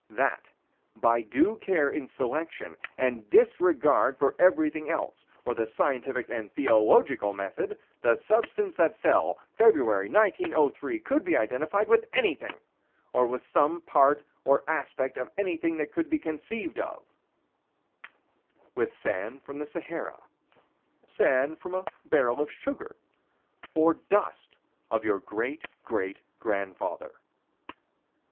That, by due care in selection, and disregard for everything else, or the scientific and theological method, the substance that fell, February, 1903, could be identified with anything, or with some part or aspect of anything that could be conceived of With sand from the Sahara, sand from a barrel of sugar, or dust of your great great grandfather.